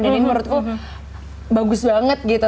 dan ini menurutku bagus banget gitu